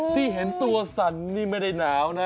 ตื่นตรงในตรงนี้ไม่ได้หนาวนะ